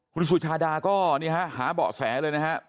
คุณสุชาดาก็หาเบาะแสเลยนะครับ